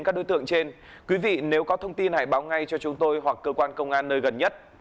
các đối tượng trên quý vị nếu có thông tin hãy báo ngay cho chúng tôi hoặc cơ quan công an nơi gần nhất